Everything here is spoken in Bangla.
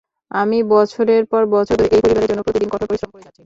আমি বছরের পর বছর ধরে এই পরিবারের জন্য প্রতিদিন কঠোর পরিশ্রম করে যাচ্ছি।